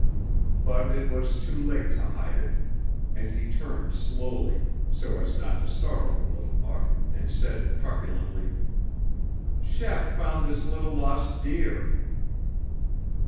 But it was too late to hide it, and he turned slowly, so as not to startle the little buck, and said truculently, "Shep found this little lost deer."